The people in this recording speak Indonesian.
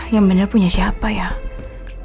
yang bener punya siapa ya elsa atau mama